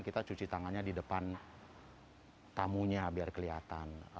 kita cuci tangannya di depan tamunya biar kelihatan